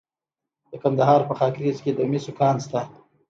د کندهار په خاکریز کې د مسو کان شته.